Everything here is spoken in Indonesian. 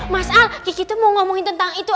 mas al mas al kiki tuh mau ngomongin tentang itu